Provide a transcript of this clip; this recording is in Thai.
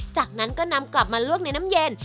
จากนั้นก็นำกลับมาลวกในน้ำเย็น